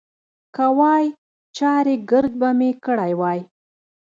که وای، چارېګرد به مې کړی وای.